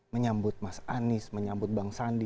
menyambut mas anies menyambut bang sandi